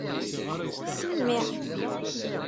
Semmi.